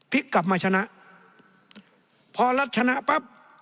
กลับมาชนะพอรัฐชนะปั๊บ